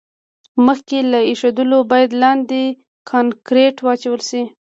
مخکې له ایښودلو باید لاندې کانکریټ واچول شي